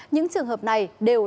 những trường hợp này đều bị bắt